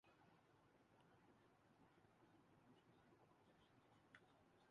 اور آپ کے ساتھ آپ کی ازواج بیٹھی خوش ہو رہی تھیں